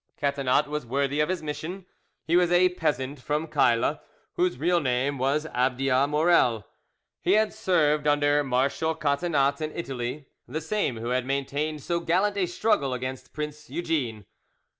Catinat was worthy of his mission. He was a peasant from Cayla, whose real name was Abdias Maurel. He had served under Marshal Catinat in Italy, the same who had maintained so gallant a struggle against Prince Eugene.